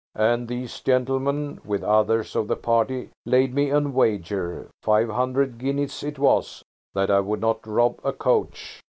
And these gentlemen, with others of the party, laid me a wager–five hundred guineas it was–that I would not rob a coach.